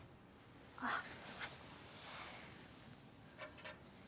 あっはい。